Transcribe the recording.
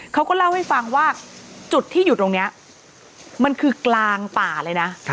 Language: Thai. เขาก็เล่าให้ฟังว่าจุดที่อยู่ตรงนี้มันคือกลางป่าเลยนะ